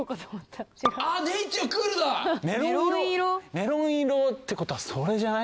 メロン色ってことはそれじゃない？